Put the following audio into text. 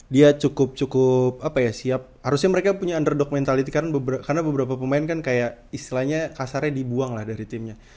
dia cukup cukup apa ya siap harusnya mereka punya underdog mentality karena beberapa pemain kan kayak istilahnya kasarnya dibuang lah dari timnya